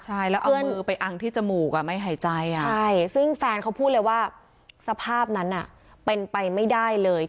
ใช่แล้วเอามือไปอังที่จมูกไม่หายใจใช่ซึ่งแฟนเขาพูดเลยว่าสภาพนั้นเป็นไปไม่ได้เลย